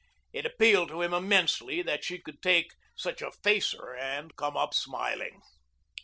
It appealed to him immensely that she could take such a facer and come up smiling.